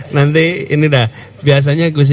nanti nyata nyata kenapa pengumuman